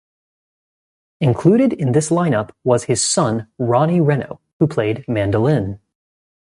Included in this lineup was his son, Ronnie Reno, who played mandolin.